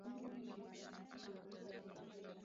katika makundi madogo ya watu sita hadi